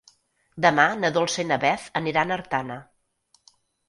Demà na Dolça i na Beth aniran a Artana.